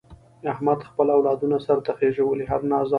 احمد خپل اولادونه سرته خېژولي، هر ناز او امر یې مني.